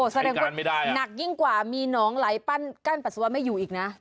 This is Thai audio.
ใช้การไม่ได้นักยิ่งกว่ามีหนองไหลปั้นกั้นปัสสาวะไม่อยู่อีกนะ